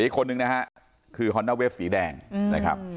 อีกคนหนึ่งนะครับคือฮอร์น่าเวฟสีแดงนะครับ